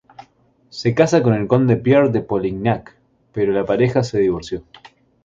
Se casa con el conde Pierre de Polignac pero la pareja se divorció.